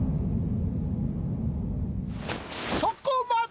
そこまで！